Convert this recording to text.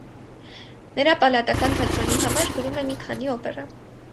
Նրա պալատական թատրոնի համար գրում է մի քանի օպերա։